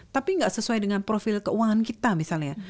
tapi nggak sesuai dengan profil keuangan kita misalnya